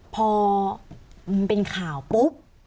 พอเป็นข่าวปุ๊บ